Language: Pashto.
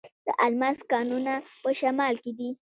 د الماس کانونه په شمال کې دي.